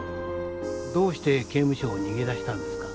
どうして刑務所を逃げ出したんですか？